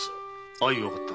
相分かった。